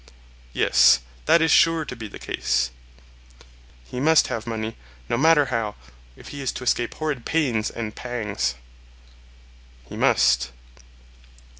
Yes, that is sure to be the case. He must have money, no matter how, if he is to escape horrid pains and pangs. He must.